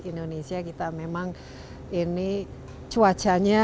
untuk schlimm bagi prit tut